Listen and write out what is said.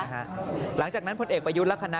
หลังจากนั้นพลเอกประยุทธ์และคณะ